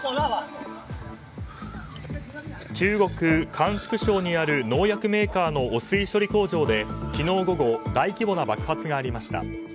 中国・甘粛省にある農薬メーカーの汚水処理工場で、昨日午後大規模な爆発がありました。